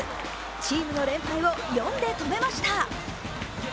チームの連敗を４で止めました。